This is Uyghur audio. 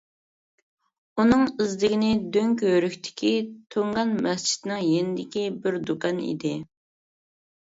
ئۇنىڭ ئىزدىگىنى دۆڭكۆۋرۈكتىكى تۇڭگان مەسچىتنىڭ يېنىدىكى بىر دۇكان ئىدى.